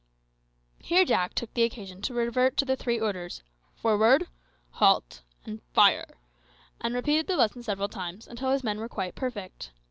Here Jack took occasion to revert to the three orders, "Forward," "Halt," and "Fire," and repeated the lesson several times, until his men were quite perfect.